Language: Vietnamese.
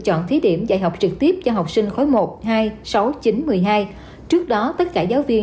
chọn thí điểm dạy học trực tiếp cho học sinh khối một hai sáu chín một mươi hai trước đó tất cả giáo viên